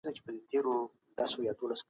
د قلم ځواک له تورې ډېر دی.